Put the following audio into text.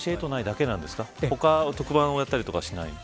他の特番をやったりしないんですか。